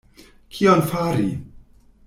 Kion fari?